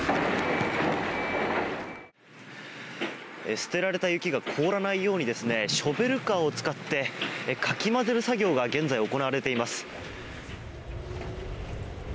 捨てられた雪が凍らないようにですねショベルカーを使ってかき混ぜる作業が現在、行われています。